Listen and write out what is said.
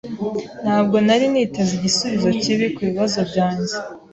Ntabwo nari niteze igisubizo kibi kubibazo byanjye.